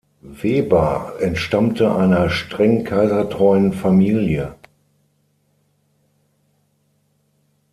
Weber entstammte einer streng kaisertreuen Familie.